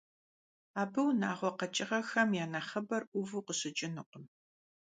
Абы унагъуэ къэкӀыгъэхэм я нэхъыбэр Ӏуву къыщыкӀынукъым.